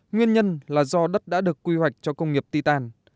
nguyên nhân là do đất đã được quy hoạch cho công nghiệp ti tàn